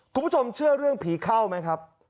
คุณผู้ชมเชื่อเรื่องผีเข้าไหมครับ